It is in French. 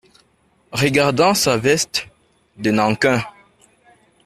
Regardant sa veste de nankin.